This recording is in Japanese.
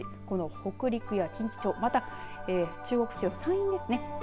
この北陸や近畿地方また中国地方、山陰ですね